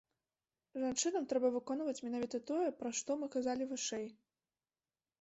Жанчынам трэба выконваць менавіта тое, пра што мы казалі вышэй.